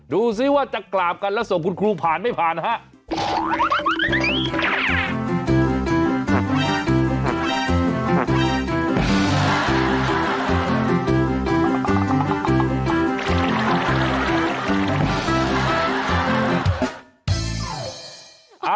ดูซิว่าจะกราบกันแล้วส่งคุณครูผ่านไม่ผ่านฮะ